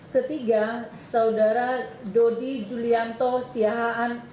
ketiga saudara dodi julianto siahaan